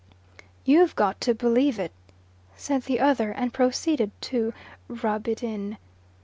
"You've got to believe it," said the other, and proceeded to "rub it in."